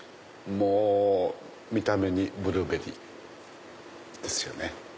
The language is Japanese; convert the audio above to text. もう見た目にブルーベリーですよね。